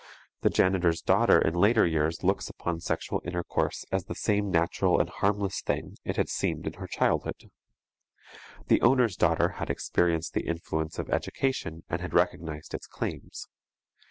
The janitor's daughter in later years looks upon sexual intercourse as the same natural and harmless thing it had seemed in her childhood. The owner's daughter had experienced the influence of education and had recognized its claims.